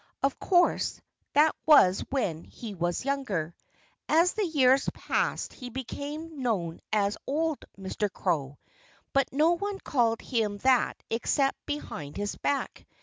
Of course, that was when he was younger. As the years passed he became known as "old Mr. Crow." But no one called him that except behind his back.